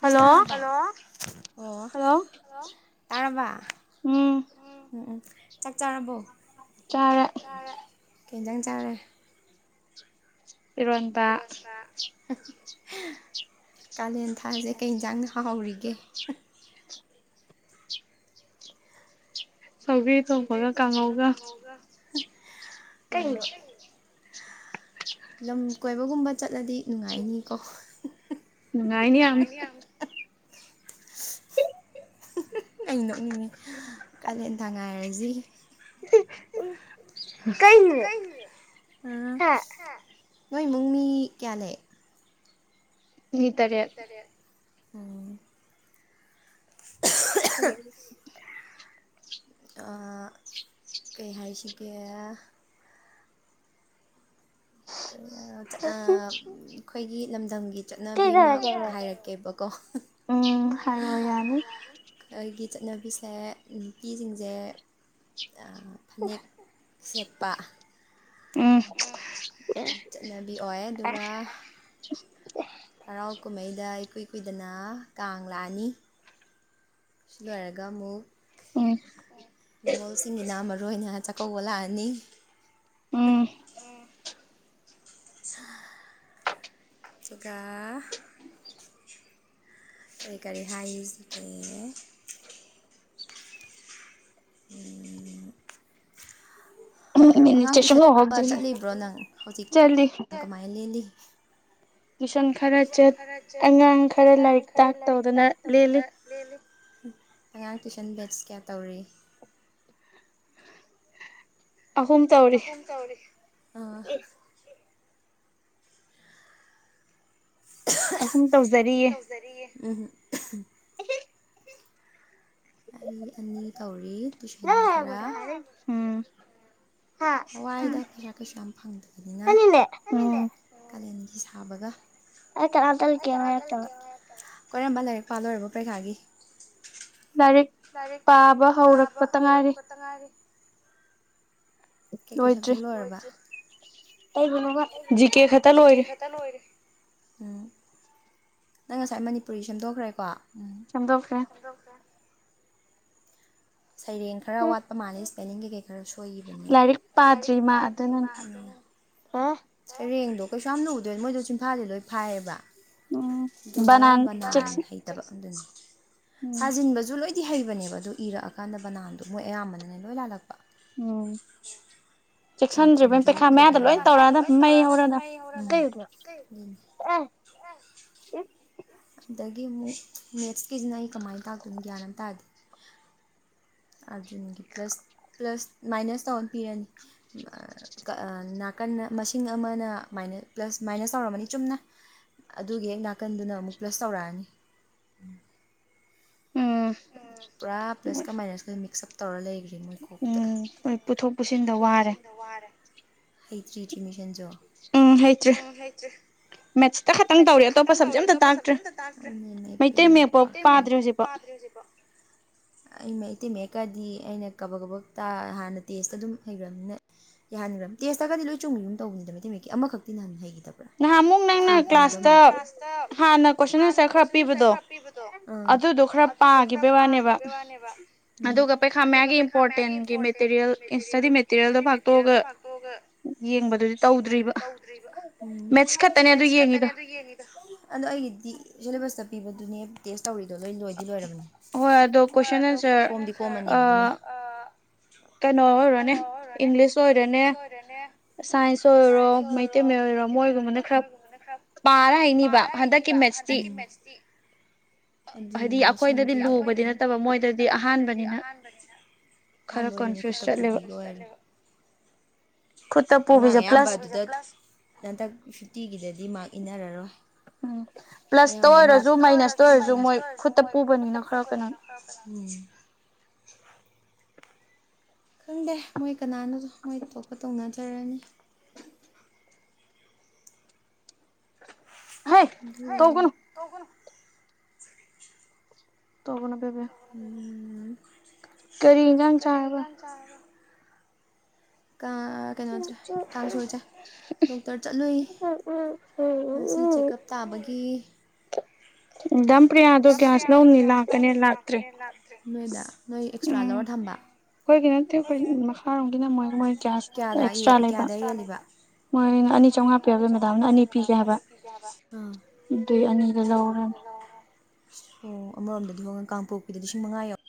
ꯃꯤꯁ ꯇꯥꯄꯂꯣ ꯑꯣꯂ ꯇꯥꯔꯕ ꯎꯝ ꯎꯝ ꯎꯝ ꯆꯥꯛ ꯆꯥꯔꯕꯣ ꯆꯔꯦ ꯦꯟꯇꯪ ꯆꯥꯔꯦ ꯏꯔꯣꯟꯟꯗ ꯀꯥꯂꯦꯟ ꯊꯥꯁꯦ ꯀ ꯌꯦꯟꯖꯥꯡ ꯍꯍꯧꯔꯤꯒꯦ ꯁꯧꯒꯦ ꯇꯧꯕꯒ ꯀꯥꯡꯉꯧꯒ ꯑꯣ ꯂꯝ ꯀꯣꯏꯕꯒꯨꯝꯕ ꯆꯠ ꯆꯠꯂꯗꯤ ꯅꯨꯡꯉꯥꯏꯅꯤꯀꯣ ꯅꯨꯡꯉꯥꯏꯅꯤ ꯌꯥꯝ ꯑ ꯅꯣꯛꯅꯤꯡꯉꯤ ꯀꯥꯂꯦꯟ ꯊꯥꯡ ꯉꯥꯏꯔꯁꯤ ꯎ ꯀ ꯑꯥ ꯅꯣꯏ ꯏꯃꯨꯡ ꯃꯤ ꯀꯌꯥ ꯂꯩ ꯃꯤ ꯇꯔꯦꯠ ꯎꯝ ꯀ ꯀꯩ ꯍꯥꯏꯁꯤꯒꯦ ꯑ ꯑꯩꯈꯣꯏꯒꯤ ꯂꯝꯗꯝꯒꯤ ꯆꯠꯅꯕꯤ ꯑꯃ ꯍꯥꯏꯔꯛꯀꯦꯕꯀꯣ ꯑꯩ ꯆꯠꯅꯕꯤꯁꯦ ꯅꯨꯄꯤꯁꯤꯡꯁꯦ ꯐꯅꯦꯛ ꯁꯦꯠꯄ ꯆꯠꯅꯕꯤ ꯑꯣꯏ ꯑꯗꯨꯒ ꯍꯔꯥꯎ ꯀꯨꯝꯍꯩꯗ ꯏꯀꯨꯏ ꯀꯨꯏꯗꯅ ꯀꯥꯡ ꯂꯥꯛꯑꯅꯤ ꯁꯤ ꯂꯣꯏꯔꯒ ꯑꯃꯨꯛ ꯅꯤꯣꯜꯁꯤꯡ ꯏꯅꯥ ꯃꯔ ꯔꯣꯍꯤꯅ ꯍꯥꯆꯥꯀ ꯑꯣꯂ ꯑꯅꯤ ꯎꯝ ꯑꯗꯨꯒ ꯀꯔꯤ ꯀꯔꯤ ꯍꯥꯏꯔꯤꯁꯤꯒꯦꯅꯦ ꯎ ꯑꯉꯥꯡ ꯇꯨꯏꯁꯟ ꯆꯠꯂꯤꯕ꯭ꯔꯣ ꯅꯪ ꯍꯧꯖꯤꯛ ꯀꯃꯥꯏꯅ ꯂꯦꯜꯂꯤ ꯇꯨꯏꯁꯟ ꯈꯔ ꯑꯉꯥꯡ ꯈꯔ ꯂꯥꯏꯔꯤꯛ ꯇꯥꯛ ꯇꯧꯗꯅ ꯂꯦꯜꯂꯤ ꯑꯉꯥꯡ ꯇꯨꯏꯁꯟ ꯕꯦꯠꯁ ꯀꯌꯥ ꯇꯧꯔꯤ ꯑꯍꯝ ꯇꯧꯔꯤ ꯑꯍꯨꯝ ꯇꯧꯖꯔꯤꯌꯦ ꯎꯝꯍꯨꯝ ꯑꯩ ꯑꯅꯤ ꯀꯧꯔꯤ ꯂꯗ ꯍꯔꯦ ꯎꯝ ꯍꯋꯥꯏꯗ ꯄꯩꯁꯥ ꯀꯩꯁꯨ ꯌꯥꯝ ꯐꯪꯗꯕꯅꯤꯅ ꯐ ꯁꯥꯕꯒ ꯑ ꯇ ꯇꯔ ꯀꯦꯃ ꯇꯕ ꯀꯔꯝꯕ ꯂꯥꯏꯔꯤꯛ ꯄꯥꯂꯣꯏꯔꯕꯣ ꯄꯔꯤꯈꯥꯒꯤ ꯂꯥꯏꯔꯤꯛ ꯄꯥꯕ ꯍꯧꯔꯛꯄ ꯇꯉꯥꯏꯔꯤꯦ ꯂꯣꯏꯗ꯭ꯔꯦ ꯀꯕꯨ ꯅꯃ ꯖꯤ ꯀꯦ ꯈꯛꯇ ꯂꯣꯏꯔꯦ ꯎꯝ ꯅꯪ ꯉꯁꯥꯏ ꯃꯅꯤꯄꯨꯔꯤ ꯁꯦꯝꯗꯣꯛꯈ꯭ꯔꯦꯀꯣ ꯆꯗꯣꯛꯈꯦ ꯁꯩꯔꯦꯡ ꯈꯔ ꯋꯥꯠꯄ ꯃꯥꯜꯂꯤ ꯄꯅꯤꯡ ꯀꯩ ꯈꯔ ꯁꯣꯏꯈꯤꯕꯅꯦ ꯂꯥꯏꯔꯤꯛ ꯄꯥꯗ꯭ꯔꯤ ꯃꯥꯅꯤꯅ ꯄꯔꯦꯡꯗꯣ ꯀꯩꯁꯨ ꯌꯥꯝꯅ ꯎꯗꯣꯏ ꯅ ꯃꯣꯏꯗꯣ ꯁꯤꯟꯐꯥꯥꯁꯦ ꯂꯣꯏ ꯐꯥꯏꯌꯦꯕ ꯑꯗꯨꯒ ꯕꯅꯥꯟ ꯍꯩꯇꯕ ꯑꯗꯨ ꯁꯥꯖꯤꯟꯕꯁꯨ ꯂꯣꯏꯅ ꯗꯤ ꯍꯩꯕꯅꯦꯕ ꯑꯗꯨ ꯏꯔꯛꯑꯀꯥꯟꯗ ꯕꯅꯥꯟꯗꯣ ꯃꯣꯏ ꯑꯌꯥꯝꯕꯅꯅꯦ ꯂꯣꯏ ꯂꯥꯜꯂꯛꯄ ꯑꯣ ꯄꯩꯈꯥ ꯃꯌꯥꯗ ꯂꯣꯏ ꯇꯧꯔꯛꯑꯗ ꯃꯩ ꯍꯧꯔꯒ ꯗꯗꯒꯤ ꯑꯃꯨꯛ ꯅꯦꯛꯁ ꯀꯁꯤꯅ ꯑꯩ ꯀꯃꯥꯏꯅ ꯇꯥꯛꯇꯣꯏꯅ ꯒ꯭ꯌꯥꯟ ꯑꯃ ꯇꯥꯗꯦ ꯑꯥꯔꯖꯨꯟꯒꯤ ꯄ꯭ꯂꯁ ꯄ꯭ꯂꯁ ꯃꯥꯏꯅꯁ ꯇꯧꯔꯅ ꯄꯤꯔꯅꯤ ꯅꯥꯀꯟ ꯃꯁꯤꯡ ꯑꯃꯅ ꯄ꯭ꯂꯁ ꯃꯥꯏꯅꯁ ꯇꯧꯔꯝꯃꯅꯤ ꯆꯨꯝꯅ ꯑꯗꯨꯒꯤ ꯍꯦꯛ ꯅꯥꯀꯟꯗꯨꯅ ꯑꯃꯨꯛ ꯄ꯭ꯂꯁ ꯇꯧꯔꯛꯑꯅꯤ ꯎ ꯄꯨꯔꯥ ꯄ꯭ꯂꯁ ꯀ ꯃꯥꯏꯅꯁ ꯀ ꯃꯤ ꯇꯥꯅꯦꯒꯤ ꯎꯝ ꯍꯣꯏ ꯄꯨꯊꯣꯛ ꯄꯨꯁꯤꯟꯗ ꯋꯥꯔꯦ ꯍꯩꯇ꯭ꯔꯤꯆ ꯃꯤ ꯎꯝ ꯍꯩꯇ꯭ꯔꯦꯦꯇ ꯇꯧꯔ ꯑꯇꯣꯄꯩꯇꯩꯌꯦꯛ ꯍꯧꯖꯤ ꯇꯤ ꯃꯦꯛꯀꯗꯤ ꯑꯩꯅ ꯀꯕꯛ ꯀꯕ ꯇꯥ ꯍꯥꯟꯅ ꯇꯦꯖꯇ ꯑꯗꯨꯝ ꯍꯩꯈ꯭ꯔꯕꯅꯤꯅ ꯌꯥꯍꯟꯈ꯭ꯔꯕꯅꯤ ꯇꯦꯁꯇꯔꯒꯗꯤ ꯂꯣꯏ ꯆꯨꯝꯕꯤꯨꯝ ꯇꯧꯕꯅꯤꯗꯕ ꯃꯊꯇꯩ ꯃꯌꯦꯛꯀꯤ ꯑꯃꯈꯛꯇꯤ ꯅꯍꯥꯟ ꯍꯩꯈꯤꯅꯤ ꯅꯍꯥꯟ ꯑꯃꯨꯛ ꯅꯪꯅ ꯀ꯭ꯂꯥꯁꯇ ꯍꯥꯟꯅ ꯀꯣꯏꯁꯟ ꯑꯟꯁꯔ ꯈꯔ ꯄꯤꯕꯗꯣ ꯑꯗꯨꯗꯣ ꯈꯔ ꯄꯥꯈꯤꯕꯒꯤ ꯋꯥꯅꯦꯕ ꯎ ꯑꯗꯨꯒ ꯄꯩꯈꯥ ꯃꯌꯥꯒꯤ ꯏꯝꯄꯣꯔꯇꯦꯟꯒꯤ ꯃꯦꯇꯔꯤꯌꯦꯜ ꯑꯦ ꯏꯁꯇꯗꯤ ꯃꯦꯇꯤꯔꯤꯌꯦꯜꯗ ꯄꯥꯡꯇꯣꯛꯑꯒ ꯌꯦꯡꯕꯗꯨꯗꯤ ꯇꯧꯗ꯭ꯔꯤꯕ ꯎꯝ ꯃꯦꯠꯁ ꯈꯛꯇꯅꯦ ꯑꯗꯨ ꯌꯦꯡꯉꯗ ꯑ ꯑꯩꯒꯤꯗꯤ ꯁꯤꯂꯦꯕꯁꯇ ꯄꯤꯕꯗꯨꯅꯦ ꯇꯦꯁ ꯇꯧꯔꯤꯣ ꯂꯣꯏ ꯂꯣꯏ ꯔꯕ ꯀꯣꯝꯃꯅꯤꯕꯅ ꯀꯩꯅꯣ ꯑꯣꯏꯔꯣꯅꯦ ꯏꯪꯂꯤꯁ ꯑꯣꯏꯔꯣꯅꯦ ꯁꯥꯏꯟꯁ ꯑꯣꯏꯔꯨꯔꯣ ꯃꯩꯇꯩ ꯃꯌꯦꯛ ꯑꯣꯏꯔꯣ ꯃꯣꯏꯒꯨꯝꯕꯅ ꯈꯔ ꯄꯥꯔ ꯍꯥꯏꯅꯤꯕ ꯍꯟꯗꯛꯀꯤ ꯃꯦꯠꯁꯇꯤ ꯑꯗꯨ ꯑꯩꯈꯣꯏꯗꯗꯤ ꯂꯨꯕꯗꯤ ꯅꯠꯇꯕ ꯃꯣꯏꯗꯗꯤ ꯑꯍꯥꯟꯕꯅꯤ ꯑꯍꯥꯟꯕ ꯑꯣꯏꯗꯣꯏꯅꯤ ꯈꯨꯠꯇ ꯐꯕꯤꯒ ꯑꯣꯏꯔꯦ ꯑꯉꯥꯡ ꯑꯌꯥꯝꯕ ꯑꯗꯨꯗ ꯅꯟꯊꯛ ꯁꯨꯇꯤꯒꯤꯗꯗꯤ ꯃꯥ ꯏꯟꯅꯔꯔꯣ ꯎꯝ ꯄ꯭ꯂꯁꯇ ꯑꯣꯏꯔꯁꯨ ꯃꯥꯏꯅꯁꯇ ꯑꯣꯏꯔꯁꯨ ꯃꯣꯏ ꯈꯨꯠꯇ ꯄꯨꯕꯅꯤꯅ ꯈꯔ ꯀꯩꯅꯣ ꯈꯪꯗꯦ ꯃꯣꯏ ꯀꯅꯥꯅꯁꯨ ꯃꯣꯏ ꯇꯣꯞꯄ ꯇꯧꯅꯖꯔꯅꯤ [unintelligible] ꯇꯅ ꯎꯝ ꯎꯝ ꯀꯔꯤ ꯏꯟꯖꯥꯡ ꯆꯥꯕ ꯀꯩꯅꯣꯁꯦ ꯀꯥꯡꯁꯣꯏꯁꯦ ꯗꯣꯛꯇꯔ ꯆꯠꯂꯨꯏ ꯁꯤ ꯆꯦꯛꯑꯞ ꯇꯥꯕꯒꯤ ꯂꯝ ꯀꯌꯥꯗꯣ ꯀꯌꯥꯁꯨ ꯂꯧꯃꯤ ꯂꯥꯛꯀꯅꯤ ꯂꯥꯛꯇ꯭ꯔꯦ ꯅꯣꯏꯗꯥ ꯅꯣꯏ ꯑꯦꯛꯁꯇ꯭ꯔꯥ ꯂꯧꯔ ꯊꯝꯕ ꯃꯣꯏ ꯃꯣꯏ ꯒ꯭ꯌꯥꯁ ꯑꯦꯛꯁꯇ꯭ꯔꯥ ꯂꯩꯕ ꯃꯣꯏꯅ ꯑꯅꯤ ꯆꯥꯝꯃꯉꯥ ꯄꯤ ꯌꯥꯕ ꯃꯦꯗꯥꯝꯅ ꯑꯅꯤ ꯄꯤꯒꯦ ꯍꯥꯏꯕ ꯑꯗꯨꯏ ꯑꯅꯤꯗ ꯂꯧꯔꯅꯤ ꯑꯣ ꯑꯃꯔꯣꯝꯗꯗꯤ ꯀꯥꯡꯄꯣꯛꯄꯤꯗ ꯂꯤꯁꯤꯡ ꯃꯉꯥ ꯌꯥꯧ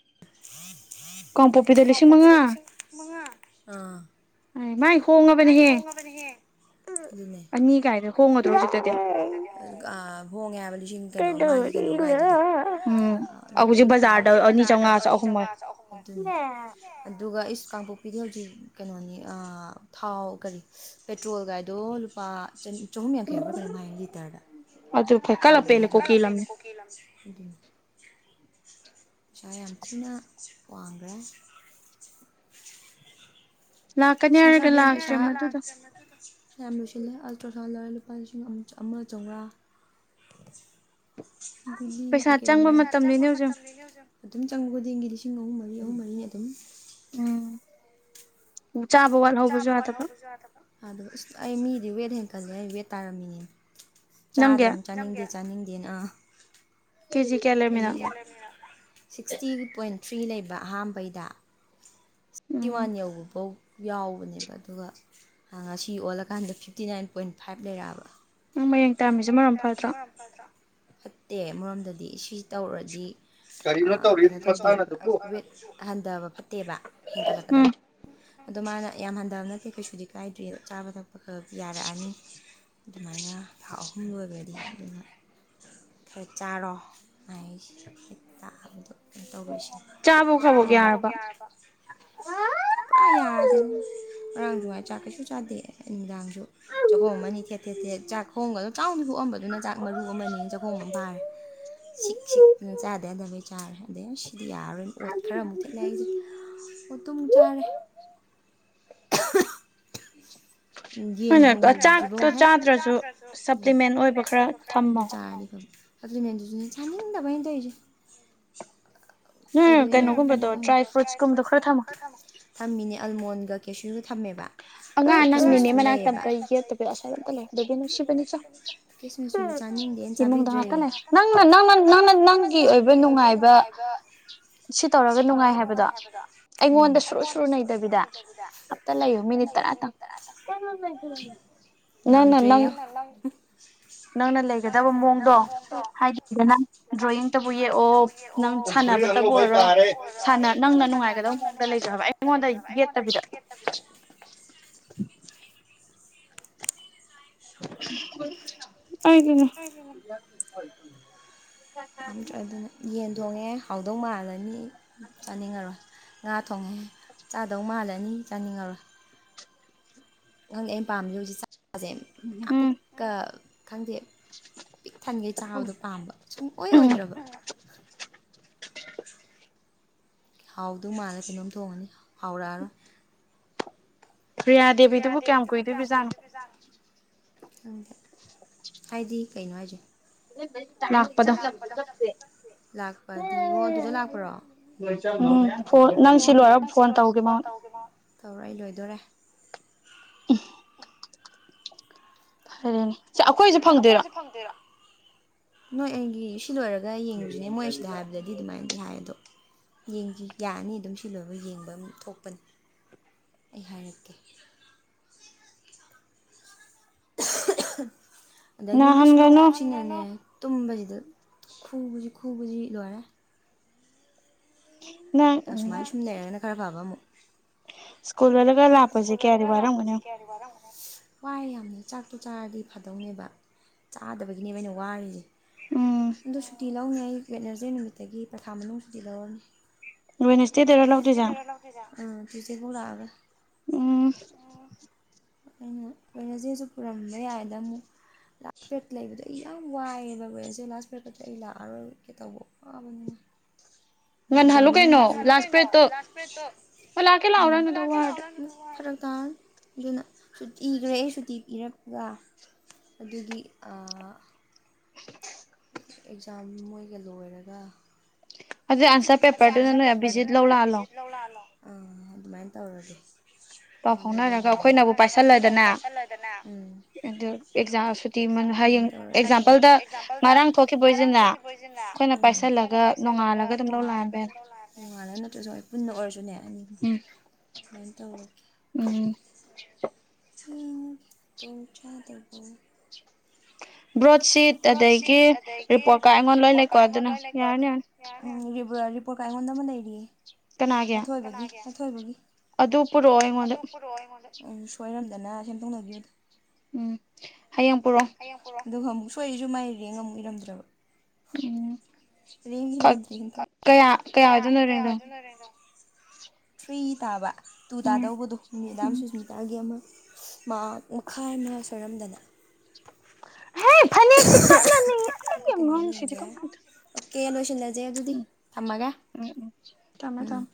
ꯀꯝ ꯄꯣꯄꯤꯗ ꯄꯁꯨ ꯃꯉꯥ ꯑ ꯑꯗꯨꯣꯡꯉꯦ ꯂꯨꯟ ꯀꯩꯅꯣ ꯃꯥꯒꯤ ꯀꯩꯅꯣꯒꯥꯏꯗꯨꯗꯤ ꯑꯗꯨꯒ ꯏꯁ ꯀꯥꯡꯄꯣꯛ ꯄꯕꯤꯗꯦꯜ ꯀꯩꯅꯣꯅꯤ ꯊꯥꯎ ꯀꯔꯤ ꯄꯦꯇ꯭ꯔꯣꯜꯒꯥꯏꯗꯣ ꯂꯨꯄꯥ ꯆꯍꯨꯝ ꯌꯥꯡꯈꯩ ꯍꯥꯏꯕ꯭ꯔꯣ ꯀꯩꯅ ꯃꯥꯥꯏ ꯂꯤꯇꯔꯗ ꯐꯣꯀꯥ ꯂꯄꯦꯅꯦ ꯀꯣꯀꯤ ꯂ ꯄꯁꯥ ꯑꯝꯊꯤꯅ ꯋꯥꯉ ꯁꯁ ꯌꯥꯝ ꯂꯣꯏꯁꯤꯜꯂꯦ ꯑꯜꯇ꯭ꯔ ꯁꯥꯎꯟ ꯂꯧꯔꯦ ꯂꯨꯄꯥ ꯂꯤꯁꯤꯡ ꯑꯃ ꯆꯥꯝꯃꯉꯥ ꯨꯂꯤ ꯀ ꯀꯩꯅꯦ ꯑꯗꯨꯝ ꯆꯪꯉꯨꯒꯗꯤ ꯏꯪꯒꯤꯂꯤꯁ ꯂꯤꯁꯤꯡ ꯑꯍꯨꯝ ꯃꯔꯤ ꯑꯍꯨꯝ ꯃꯔꯤꯅꯤ ꯑꯗꯨꯝ ꯑ ꯑꯩ ꯃꯤꯗꯤ ꯋꯦꯠ ꯍꯦꯟ ꯀ ꯀꯜ ꯦ ꯇꯥꯔꯃꯤꯅꯤ ꯆꯥꯗꯔꯝꯆꯥ ꯆꯥꯅꯤꯡꯗꯦꯅ ꯁꯤꯁꯇꯤꯦꯅ ꯐ꯭ꯔꯤ ꯂꯩꯕ ꯑꯍꯥꯝꯕꯩꯗ ꯁꯤꯤ ꯋꯥ ꯌꯧꯕꯕꯧ ꯌꯥꯎꯕꯅꯦꯕ ꯑꯗꯨꯒ ꯉꯁꯤ ꯑꯣꯜꯂꯀꯥꯟꯗ ꯐꯤꯐꯇꯤ ꯅꯥꯏꯟ ꯄꯣꯏꯟ ꯐꯥꯏꯚ ꯂꯩꯔꯛꯑꯕ ꯅꯪ ꯃꯌꯦꯡ ꯇꯥꯝꯃꯤꯁ ꯃꯔꯝ ꯐꯗ꯭ꯔꯣ ꯐꯠꯇꯦ ꯑꯃꯣꯝꯗꯗꯤ ꯁꯤ ꯇꯧꯔꯗꯤ ꯑ ꯀꯩꯅꯣ ꯇꯧꯗꯦꯕ ꯍꯟꯊꯕ ꯐ ꯅꯠꯇꯦꯕ ꯍꯦꯟꯒꯠꯂꯛꯀꯗꯕꯅꯤ ꯑꯗꯣ ꯃꯥꯅ ꯌꯥꯝ ꯍꯟꯊꯕ ꯅꯠꯇꯦ ꯀꯩꯁꯨꯗꯤ ꯀꯥꯏꯗ꯭ꯔꯤ ꯑꯗꯣ ꯆꯥꯕ ꯊꯛꯄ ꯌꯥꯔꯛꯑꯅꯤ ꯑꯗꯨꯃꯥꯏꯅ ꯄ ꯊꯥ ꯑꯍꯨꯝ ꯂꯣꯏꯕꯗꯤ ꯑꯗꯨꯅ ꯈꯔ ꯆꯥꯔꯣ ꯃꯥ ꯍꯛꯇꯕꯗꯣ ꯀꯩꯅ ꯇꯁꯤ ꯄꯨꯔꯥ ꯌꯥꯗꯦ ꯉꯔꯥꯡ ꯉꯥꯏꯅ ꯆꯥꯛ ꯀꯩꯁꯨ ꯆꯥꯗꯦ ꯅꯨꯡꯗꯥꯡꯁꯨ ꯆꯥꯛꯒꯣꯝ ꯑꯃ ꯑꯅꯤ ꯊꯦꯠ ꯊꯦꯠꯊꯦꯠ ꯆꯥꯛ ꯍꯣꯡꯒꯗꯣ ꯆꯥꯎꯅ ꯍꯣꯛꯑꯝꯕꯗꯨꯅ ꯆꯥꯛ ꯃꯔꯨ ꯑꯃꯅꯤ ꯆꯥꯛꯈꯣꯝ ꯑꯃ ꯐꯥꯔꯦ ꯁꯤꯛ ꯁꯤꯛꯇꯅ ꯆꯥꯗ ꯌꯥꯗꯕꯩ ꯆꯥꯔꯦ ꯑꯗꯩ ꯁꯤꯗꯤ ꯌꯥꯔꯔꯣꯏ ꯑꯣꯠ ꯈꯔ ꯑꯃꯨꯛ ꯊꯦꯠꯂꯦ ꯑꯩꯁꯦ ꯑꯣꯠꯇꯨ ꯑꯃꯨꯛ ꯆꯥꯔꯦ ꯌꯦꯟ ꯊꯣꯡ ꯐꯥ꯭ꯂꯤꯅ ꯑꯗꯨꯅ ꯁꯅꯤꯗꯕꯩꯅꯅ ꯇꯧꯣꯏꯁꯨ ꯊꯝꯃꯤꯅꯦ ꯑꯜꯣꯟ ꯑꯗꯨꯒ ꯀꯦꯁꯨꯁꯨ ꯊꯝꯃꯦꯕ ꯑꯉꯥꯡ ꯅꯪ ꯅꯤꯅꯦ ꯃꯅꯥꯛꯇꯝꯇ ꯌꯦꯠꯇꯕꯤꯗ ꯑꯁꯥꯏ ꯑꯝꯇ ꯂꯩ ꯑꯗꯨ ꯅꯨꯡꯁꯤꯕꯅꯤ ꯆ ꯏꯃꯨꯡꯗ ꯉꯥꯛꯇ ꯂꯩ ꯅꯪꯅ ꯅꯪꯅ ꯅꯪꯅ ꯅꯪꯒꯤ ꯑꯣꯏꯕ ꯅꯨꯡꯉꯥꯏꯕ ꯁꯤ ꯇꯧꯔꯒ ꯅꯨꯡꯉꯥꯏ ꯍꯥꯏꯕꯗꯣ ꯑꯩꯉꯣꯟꯗ ꯁꯨꯔꯨ ꯁꯨꯔꯨ ꯅꯩꯇꯕꯤꯗ ꯑꯝꯇ ꯂꯩꯌꯨ ꯃꯤꯅꯤꯠ ꯅ ꯅ ꯅꯪ ꯅꯪꯅ ꯂꯩꯒꯗꯕ ꯃꯑꯣꯡꯗꯣ ꯍꯥꯏꯗꯤꯗ ꯅꯪ ꯗ꯭ꯔꯣꯣꯌꯤꯡꯇꯕꯨ ꯌꯦꯛꯑꯣ ꯅꯪ ꯁꯥꯟꯅꯕꯇꯕꯨ ꯑꯣꯏꯔꯣ ꯅꯪꯅ ꯅꯨꯡꯉꯥꯏꯒꯗꯕ ꯃꯑꯣꯡꯗ ꯂꯩꯖꯑꯕ ꯑꯩ ꯑꯩꯉꯣꯟꯗ ꯌꯦꯠꯇꯕꯤꯗ [unintelligible] ꯍꯥꯏꯗꯅꯦ ꯌꯥꯝꯗ꯭ꯔ ꯑꯗꯨꯅ ꯌꯦꯟ ꯊꯣꯡꯉꯦ ꯍꯥꯎꯗꯣꯡ ꯃꯥꯜꯂꯅꯤ ꯆꯥꯅꯤꯡꯉꯔꯣꯏ ꯉꯥ ꯊꯣꯡꯉꯦ ꯆꯥꯗꯧ ꯃꯥꯜꯂꯅꯤ ꯆꯥꯅꯤꯡꯉꯔꯣꯏ ꯅꯪꯗꯤ ꯑꯩꯅ ꯄꯥꯝꯖ ꯍꯧꯖꯤꯛ ꯑꯁꯦ ꯄꯨꯀ ꯈꯪꯗꯦ ꯄꯤꯛ ꯊꯟꯈꯦ ꯆꯥꯕꯗꯣ ꯄꯥꯝꯕ ꯁꯨꯡꯑꯣ ꯑꯣꯏ ꯑꯣꯏꯗ꯭ꯔꯕ ꯍꯥꯎꯗ ꯃꯥꯜꯂꯦ ꯀꯩꯅꯣꯝ ꯊꯣꯡꯉꯅꯤ ꯍꯥꯎꯔꯛꯑꯔꯣꯏ ꯄ꯭ꯔꯤꯌꯥ ꯗꯦꯕꯤꯗꯨꯕꯨ ꯀꯌꯥꯝ ꯀꯨꯏꯗꯣꯏ ꯖꯥꯠꯅꯣ ꯍꯥꯏꯗꯤ ꯀꯩꯅꯅꯨꯡ ꯍꯥꯏꯖꯦ [unintelligible] ꯎꯝ ꯐ ꯅꯪ ꯁꯤ ꯂꯣꯏꯔꯒ ꯐꯣꯟ ꯇꯧꯒꯦ ꯃꯉꯣꯟ ꯑꯩꯩ ꯂꯣꯏꯗꯣꯔꯦ ꯎ ꯐꯔꯦꯅꯦ ꯁ ꯑꯩꯈꯣꯏꯁꯨ ꯐꯪꯗꯣꯏꯔꯣ ꯅꯣꯏꯑꯒꯤ ꯁꯤ ꯂꯣꯏꯔꯒ ꯌꯦꯡꯉꯨꯁꯤꯅꯦ ꯃꯣꯏ ꯁꯤꯗ ꯍꯥꯏꯕꯗꯗꯤ ꯑꯗꯨꯃꯥꯏꯅꯗꯤ ꯍꯥꯏ ꯑꯗꯣ ꯌꯦꯡꯈꯤ ꯌꯥꯔꯅꯤ ꯑꯗꯨꯝ ꯁꯤ ꯂꯣꯏꯕ ꯌꯦꯡꯕ ꯑꯃ ꯊꯣꯛꯄꯅꯤ ꯑꯩ ꯍꯥꯏꯔꯛꯀꯦ [unintelligible] ꯑꯗꯒꯤ ꯃꯣꯏꯁꯂꯣꯛꯁꯤꯅꯅꯦ ꯇꯨꯝꯕꯁꯤꯗ ꯈꯨꯕꯁꯤ ꯄꯨꯈꯨꯕꯨꯖꯤ ꯂꯋꯥꯔꯦ ꯑꯁꯃꯥꯏ ꯁꯨꯝ ꯈꯔꯐꯕ ꯑꯃꯨ ꯀꯀꯨꯜ ꯋꯥꯒꯔ ꯂꯥꯛꯄꯁꯤ ꯀꯌꯥꯗꯤ ꯋꯥꯔ ꯑꯃꯒꯅꯦ ꯋꯥꯏ ꯌꯥꯝꯅ ꯆꯥꯛꯇꯣ ꯆꯥꯔꯗꯤ ꯐꯗꯧꯅꯦꯕ ꯆꯥꯗꯕꯒꯤꯅꯦꯕ ꯑꯩꯅ ꯋꯥꯔꯤꯁꯦ ꯁꯨꯇ ꯂꯧꯅꯤ ꯑꯩ ꯋꯦꯠꯅꯖꯩ ꯅꯨꯃꯤꯠꯇꯒꯤ ꯄꯩꯈꯥ ꯃꯅꯨꯡꯁꯨꯗꯤ ꯂꯧꯔꯅꯤ ꯋꯣꯏꯅꯦꯁꯇꯦꯗꯔ ꯂꯧꯗꯣꯏꯖꯥ ꯑꯥ ꯄꯆꯦꯒꯂꯒ ꯎꯝ ꯑꯩꯅ ꯂꯣꯏꯔꯁꯦꯁꯨ ꯄꯨꯔꯝꯕ ꯌꯥꯏꯗ ꯑꯃꯨꯛ ꯂꯥꯁ ꯄ꯭ꯔꯦꯗ ꯂꯩꯕꯗꯣ ꯑꯩ ꯌꯥꯝ ꯋꯥꯏꯑꯦꯕ ꯂꯣꯏꯔꯁꯦ ꯂꯥꯁ ꯄ꯭ꯔꯦꯀꯛꯇ ꯑꯩ ꯂꯥꯛꯑꯔꯣꯏ ꯀꯩ ꯇꯧꯕ ꯋꯥꯕꯅꯤꯅ ꯖꯃꯂꯣ ꯀ ꯅꯣ ꯂꯥꯁꯄꯠꯇ ꯀꯦ ꯂ ꯀꯥꯎꯟ ꯑꯗꯨꯅꯨ ꯏꯈ꯭ꯔꯦ ꯁꯨꯇꯤ ꯏꯤꯔꯒ ꯑꯗꯨꯒꯤ ꯑꯦꯛꯖꯥꯝ ꯃꯣꯏꯒ ꯂꯣꯏꯔꯒ ꯑꯗꯨ ꯑꯟꯁꯔ ꯄꯦꯄꯔꯗꯨꯅ ꯅꫭꯏ ꯑꯕꯤꯖꯤꯠ ꯂꯧ ꯂꯛꯍꯜꯂꯣ ꯑ ꯑꯗꯨꯃꯥꯏꯅ ꯇꯧꯔꯒꯦ ꯄꯥꯎ ꯐꯥꯎꯅꯔꯒ ꯑꯩꯈꯣꯏꯅꯕꯨ ꯄꯥꯏꯁꯜꯂꯗꯅ ꯑꯗꯨ ꯁꯨꯇꯤ ꯍꯌꯦꯡ ꯑꯦꯛꯖꯥꯝꯄꯜꯗ ꯉꯥꯡꯔꯡ ꯊꯣꯛꯈꯤꯕꯣꯏꯁꯤꯅ ꯑꯩꯈꯣꯏꯅ ꯄꯥꯏꯁꯜꯂꯒ ꯅꯣꯡꯉꯥꯜꯂꯒ ꯑꯗꯨꯝ [unintelligible] ꯅꫭꯛꯉꯜꯂ ꯅꯠꯇ꯭ꯔꯖꯨ [unintelligible] ꯑꯣꯏꯔꯁꯨꯅꯦ ꯑꯗꯨꯃꯥꯏꯅ ꯇꯧꯔꯒꯦ ꯌꯦꯛꯉꯒꯦ ꯇꯨꯡ ꯆꯥꯗꯕ ꯒ꯭ꯔꯣꯠ ꯁꯤꯠ ꯑꯗꯒꯤ ꯔꯤꯄꯣꯔꯀꯥ ꯑꯩꯉꯣꯟ ꯂꯣꯏ ꯂꯩꯀꯣ ꯑꯗꯨꯅ ꯌꯥꯔꯅꯤ ꯌꯥꯔꯅꯤ ꯎꯝ [unintelligible] ꯄꯣꯔꯒ ꯑꯩꯉꯣꯟꯗ ꯑꯃ ꯂꯩꯔꯤꯌꯦ ꯑꯊꫭꯆꯕꯒꯥ ꯀꯥꯅꯒꯤ ꯑꯊꫭꯏꯕꯒꯤ ꯑꯗꯨ ꯄꯨꯔꯛꯑꫭ ꯑꯩꯉꫭꯟꯗ ꯁꯣꯏꯔꯝꯗꯅ ꯁꯦꯝꯗꯣꯛꯅꯈꯤꯕꯨꯗ ꯎꯝ ꯍꯌꯦꯡ ꯄꯨꯔꯛꯑꫭ ꯑꯗꯨꯒ ꯑꯃꯨꯛꯁꯨ ꯍꯈꯣꯏꯅꯤꯁꯨ ꯃꯥꯏ ꯔꯦꯡ ꯑꯃꯨꯛ ꯏꯔꯝꯗ꯭ꯔꯕ ꯎꯝ ꯀꯌꯥ ꯀꯌꯥ ꯑꫭꯏꯗꫭꯏꯅꫭ ꯔꯦꯡꯗꫭ ꯊ꯭ꯔꯤ ꯇꯥꯕ ꯇꯨ ꯇꯥꯗꯧꯕꯗꯣ ꯃꯦꯗꯥꯝ ꯁꯨꯁꯃꯤꯇꯥꯒꯤ ꯑꯃ ꯃꯥꯛ ꯃꯈꯥꯏ ꯑꯃ ꯁꯣꯏꯔꯝꯗꯅ ꯍꯦ ꯐꯅꯦꯛꯁꯦ ꯄꯜꯂꯅꯤ ꯑꯩꯒꯤ ꯑꯉꯡꯁꯤ ꯀꯃꯥꯏ ꯎꯝ ꯊꯝꯃꫭ ꯊꯝꯃꫭ